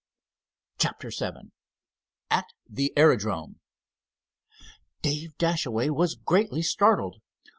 CHAPTER VII AT THE AERODROME Dave Dashaway was greatly startled.